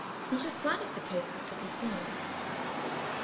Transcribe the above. Not a sign of the case was to be seen.